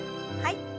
はい。